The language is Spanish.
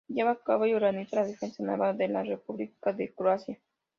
Lleva a cabo y organiza la defensa naval de la República de Croacia.